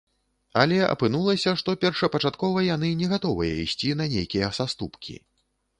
Але апынулася, што першапачаткова яны не гатовыя ісці на нейкія саступкі.